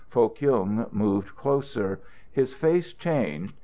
Foh Kyung moved closer. His face changed.